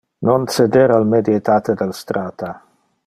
Non ceder al mediate del strata.